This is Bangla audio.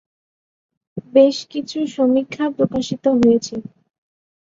বেশ কিছু সমীক্ষা প্রকাশিত হয়েছে।